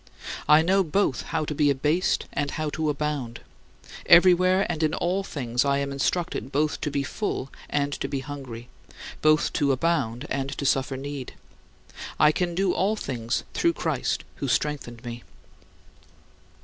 I know both how to be abased and how to abound; everywhere and in all things I am instructed both to be full and to be hungry, both to abound and to suffer need. I can do all things through Christ who strengtheneth me."